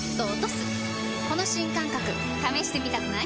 この新感覚試してみたくない？